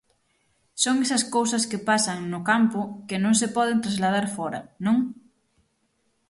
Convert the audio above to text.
Son esas cousas que pasan no campo que non se poden trasladar fóra, non?